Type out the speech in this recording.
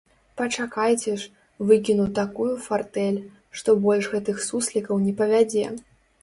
Пачакайце ж, выкіну такую фартэль, што больш гэтых суслікаў не павядзе!